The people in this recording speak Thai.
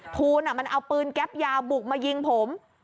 ทูลมันเอาปืนแก๊ปยาวบุกมายิงผม